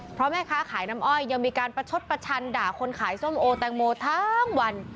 เพราะแม่ค้าขายน้ำอ้อยยังมีการประชดประชันด่าคนขายส้มโอแตงโมทั้งวัน